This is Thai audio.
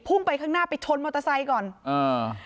ไปข้างหน้าไปชนมอเตอร์ไซค์ก่อนอ่า